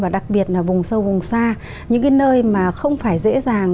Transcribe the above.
sâu vùng xa những nơi mà không phải dễ dàng